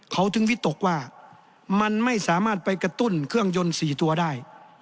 เขาถึงวิตกว่ามันไม่สามารถไปกระตุ้นเครื่องยนต์๔ตัวได้